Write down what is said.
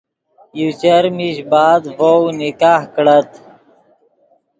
یو چر میش بعد ڤؤ نکاہ کڑت